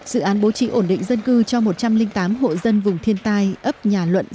dự án bố trí ổn định dân cư cho một trăm linh tám hộ dân vùng thiên tai ấp nhà luận